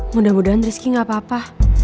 mudah mudahan rizky gak apa apa